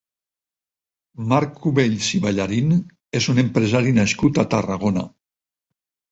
Marc Cubells i Ballarín és un empresari nascut a Tarragona.